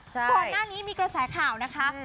ก่อนหน้านี้มีกระแสข่าวนะคะ